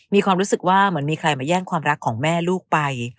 มีความรู้สึกว่าเหมือนมีใครมาแย่งความรักของแม่ลูกไป